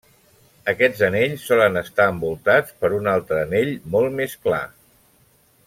Aquests anells solen estar envoltats per un altre anell molt més clar.